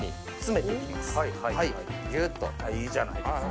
いいじゃないですか。